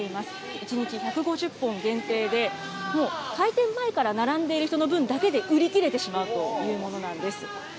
１日１５０本限定で、もう開店前から並んでいる人の分だけで、売り切れてしまうというものなんです。